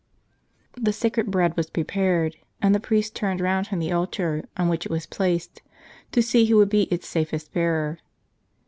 The sacred Bread was prepared, and the priest turned round from the altar on which it was placed, to see who would be its safest bearer.